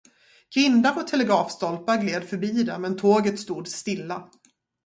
Grindar och telegrafstolpar gled förbi det, men tåget stod stilla.